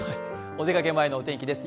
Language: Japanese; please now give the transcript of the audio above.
お出かけ前のお天気です。